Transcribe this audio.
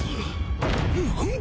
何だ！？